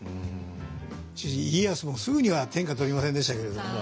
しかし家康もすぐには天下取りませんでしたけれど